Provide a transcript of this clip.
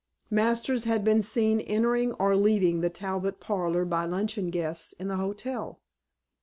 Masters had been seen entering or leaving the Talbot parlor by luncheon guests in the hotel.